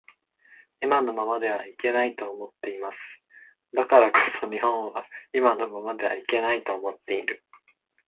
今のままではいけないと思っています。だからこそ日本は今のままではいけないと思っている